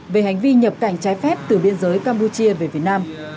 về hành vi nhập cảnh trái phép từ biên giới campuchia về việt nam